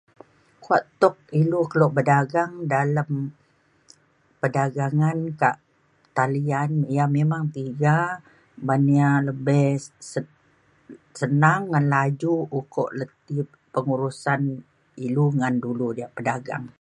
kuak tuk ilu kelo berdagang dalem perdagangan kak talian ia’ memang tiga ban ia’ lebih se- s- senang ngan laju ukok le ti pengurusan ilu ngan dulu diak berdagang